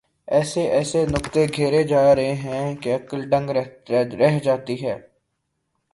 ایسے ایسے نکتے گھڑے جا رہے ہیں کہ عقل دنگ رہ جاتی ہے۔